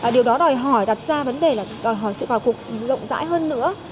điều đó đòi hỏi đặt ra vấn đề là đòi hỏi sự vào cuộc rộng rãi hơn nữa